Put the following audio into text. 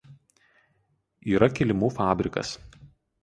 Yra kilimų fabrikas.